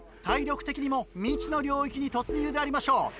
体力的にも未知の領域に突入でありましょう。